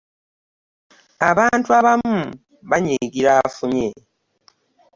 Abantu abamu banyigira afunye.